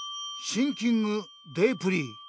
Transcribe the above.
シンキングデープリー。